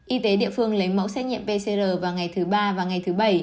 y tế địa phương lấy mẫu xét nghiệm pcr vào ngày thứ ba và ngày thứ bảy